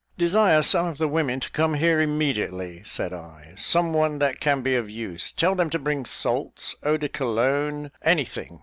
"Desire some of the women to come here immediately," said I; "some one that can be of use; tell them to bring salts, eau de cologue, any thing.